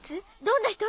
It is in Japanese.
どんな人？